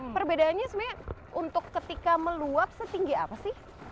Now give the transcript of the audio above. perbedaannya sebenarnya untuk ketika meluap setinggi apa sih